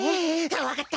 わかった！